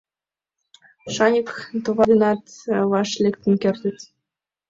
Шаньык, товар денат ваш лектын кертыт.